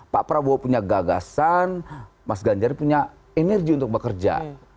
pak prabowo punya gagasan mas ganjar punya energi untuk bekerja